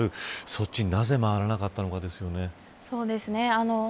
そっちになぜ回らなかったのかですよね。